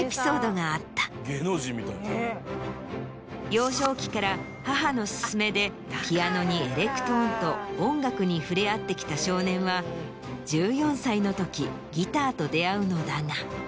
幼少期から母の勧めでピアノにエレクトーンと音楽に触れ合ってきた少年は１４歳の時ギターと出会うのだが。